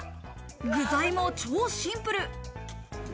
具材も超シンプル。